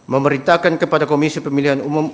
memerintahkan kepada komisi pemilihan umum